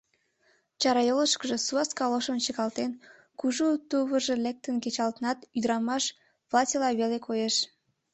Чарайолышкыжо суас колошым чыкалтен, кужу тувыржо лектын кечалтынат, ӱдырамаш платьыла веле коеш.